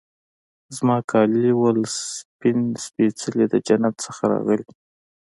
زما کالي وه سپین سپيڅلي د جنت څخه راغلي